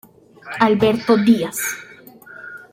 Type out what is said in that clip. Alberto Díaz.